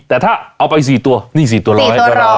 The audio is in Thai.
แต่ถ้าเอาไป๔ตัวนี่๔ตัวร้อยก็ได้